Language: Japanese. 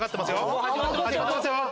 もう始まってますよ。